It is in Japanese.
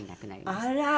あら！